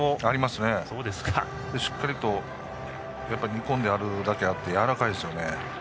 しっかりと煮込んであるだけありやわらかいですよね。